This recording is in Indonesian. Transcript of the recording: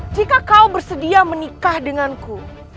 jika kau bersedia menikah denganku